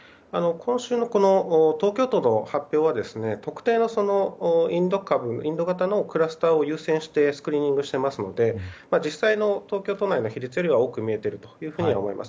今週の東京都の発表は特定のインド型のクラスターを優先してスクリーニングしているので実際の東京都内の比率よりは多く見えてるというふうには思います。